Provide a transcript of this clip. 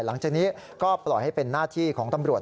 หลังจากนี้ก็ปล่อยให้เป็นหน้าที่ของตำรวจ